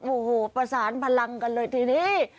โอ้โหประสานพลังกันเลยทีนี้